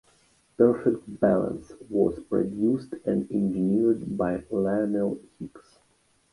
"Perfect Balance" was produced and engineered by Lionel Hicks.